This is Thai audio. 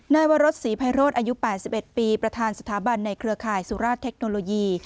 นายวรสศรีไพโรธอายุ๘๑ปีประธานสถาบันในเครือข่ายสุราชเทคโนโลยี